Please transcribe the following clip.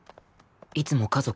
いつも家族で